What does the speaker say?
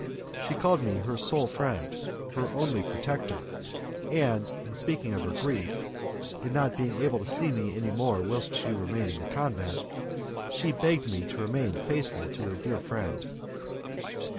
She called me her sole friend, her only protector, and in speaking of her grief in not being able to see me any more whilst she remained in the convent, she begged me to remain faithful to her dear friend.